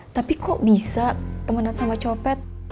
tapi kok bisa temenan sama copet